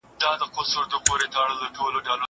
وخت ونیسه!